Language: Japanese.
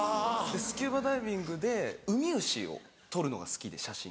スキューバダイビングでウミウシを撮るのが好きで写真